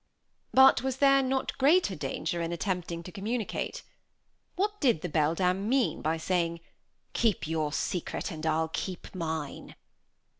But was there not greater danger in attempting to communicate? What did the beldame mean by saying, "Keep your secret, and I'll keep mine?"